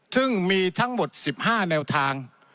ซึ่งมีทั้งหมด๑๕แนวทาง